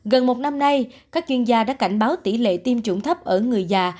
gần một năm nay các chuyên gia đã cảnh báo tỷ lệ tiêm chủng thấp ở người già